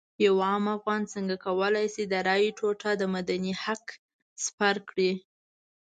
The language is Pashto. یو عام افغان څنګه کولی شي د رایې ټوټه د مدني حق سپر کړي.